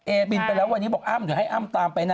บินไปแล้ววันนี้บอกอ้ำเดี๋ยวให้อ้ำตามไปนะ